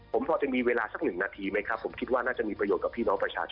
ผมพอจะมีเวลาสักหนึ่งนาทีไหมครับผมคิดว่าน่าจะมีประโยชน์กับพี่น้องประชาชน